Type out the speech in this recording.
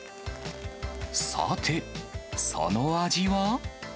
さて、その味は。